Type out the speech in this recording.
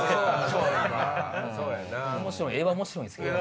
画は面白いんすけどね。